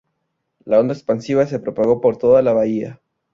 La onda expansiva se propagó por toda la bahía.